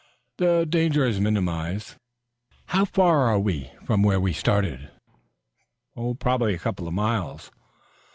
"The danger is minimized." "How far are we from where we started?" "Probably a couple of miles."